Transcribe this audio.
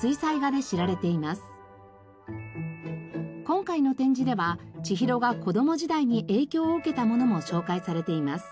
今回の展示ではちひろが子供時代に影響を受けたものも紹介されています。